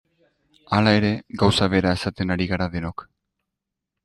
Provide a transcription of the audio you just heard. Hala ere, gauza bera esaten ari gara denok.